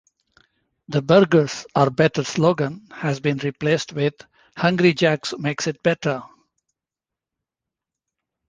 The 'Burgers are Better' slogan has been replaced with 'Hungry Jack's makes it better'.